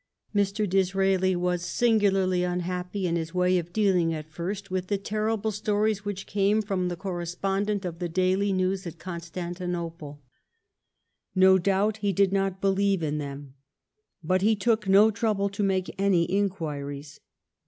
Mr. Disraeli was singularly unhappy in his way of dealing at first with the terrible stories which came from the correspondent of the " Daily News" at Constantinople. No doubt he did not believe in them. But he took no trouble to make any inquiries.